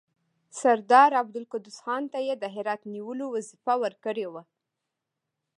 سردار عبدالقدوس خان ته یې د هرات نیولو وظیفه ورکړې وه.